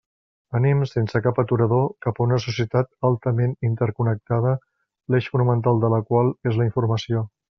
Anem, sense cap aturador, cap a una societat altament interconnectada l'eix fonamental de la qual és la informació.